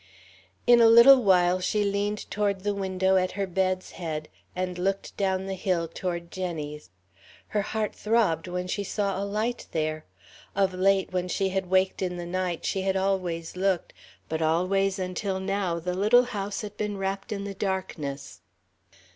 In a little while she leaned toward the window at her bed's head, and looked down the hill toward Jenny's. Her heart throbbed when she saw a light there. Of late, when she had waked in the night, she had always looked, but always until now the little house had been wrapped in the darkness.